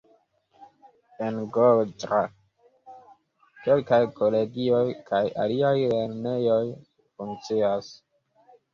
En Goĝra kelkaj kolegioj kaj aliaj lernejoj funkcias.